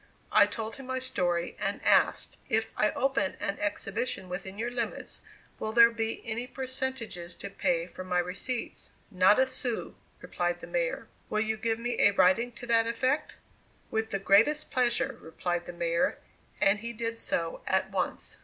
I told him my story, and asked: "If I open an exhibition within your limits will there be any percentages to pay from my receipts?" "Not a sou," replied the Mayor. "Will you give me a writing to that effect?" "With the greatest pleasure," replied the Mayor, and he did so at once.